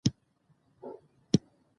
غزني د اسلامي ثقافت پلازمېنه